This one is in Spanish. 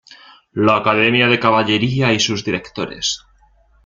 La Academia de Caballería y sus directores.